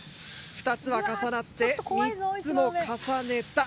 ２つは重なって３つも重ねた。